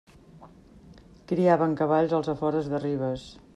Criaven cavalls als afores de Ribes.